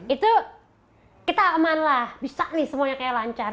itu kita aman lah bisa nih semuanya kayak lancar